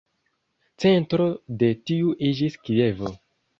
Centro de tiu iĝis Kievo.